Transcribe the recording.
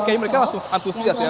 kayaknya mereka langsung antusias ya